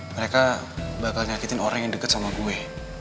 mereka bakal nyakitin orang yang deket sama gue